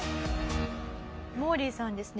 モーリーさんですね